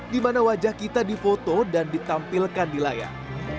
di mana wajah kita difoto dan ditampilkan di layak